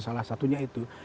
salah satunya itu